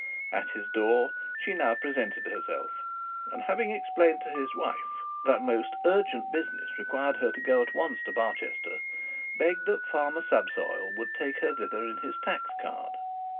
At his door she now presented herself, and, having explained to his wife that most urgent business required her to go at once to Barchester, begged that Farmer Subsoil would take her thither in his tax cart.